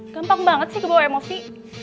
gampang banget sih kebawa emosi